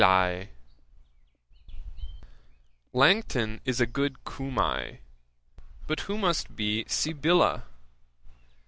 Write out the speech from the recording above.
Ætat 49.] 'Langton is a good Cumæ, but who must be Sibylla?